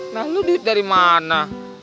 nah lu duit dari mana